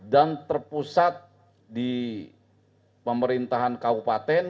dan terpusat di pemerintahan kabupaten